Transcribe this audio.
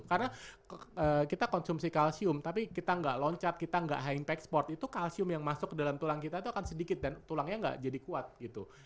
karena kita konsumsi kalsium tapi kita gak loncat kita gak high impact sport itu kalsium yang masuk ke dalam tulang kita itu akan sedikit dan tulangnya gak jadi kuat gitu